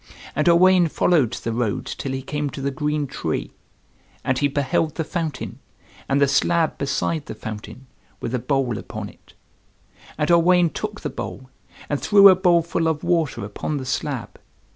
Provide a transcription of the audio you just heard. And Owain followed the road till he came to the green tree; and he beheld the fountain, and the slab beside the fountain, with the bowl upon it. And Owain took the bowl and threw a bowlful of water upon the slab.